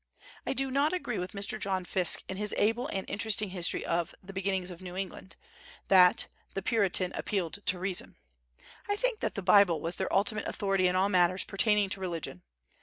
I do not agree with Mr. John Fiske, in his able and interesting history of the "Beginnings of New England," that "the Puritan appealed to reason;" I think that the Bible was their ultimate authority in all matters pertaining to religion.